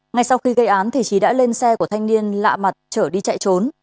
ngay sau khi gây án trí đã lên xe của thanh niên lạ mặt chở đi chạy trốn